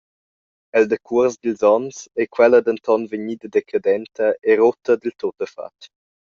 El decuors dils onns ei quella denton vegnida decadenta e rutta dil tuttafatg.